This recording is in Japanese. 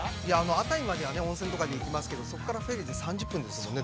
◆熱海までは温泉とかで行きますけどそこからフェリーで３０分ですよね。